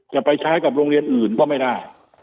จะไปใช้กับโรงเรียนอื่นก็ไม่ได้